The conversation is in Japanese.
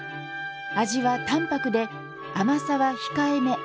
味は淡泊で、甘さは控えめ。